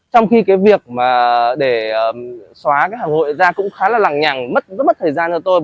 trong khi việc để xóa hàng hội ra cũng khá là lằng nhằng rất mất thời gian cho tôi